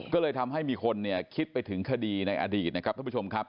ก็เลยทำให้มีคนเนี่ยคิดไปถึงคดีในอดีตนะครับท่านผู้ชมครับ